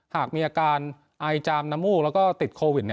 หากมีอาการไอจามน้ำมูกแล้วก็ติดโควิด